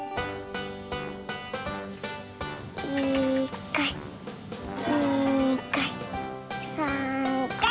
１かい２かい３かい！